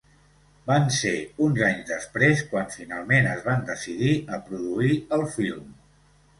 Van ser uns anys després quan finalment es van decidir a produir el film.